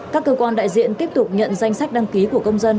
các cơ quan đại diện tiếp tục nhận danh sách đăng ký của công dân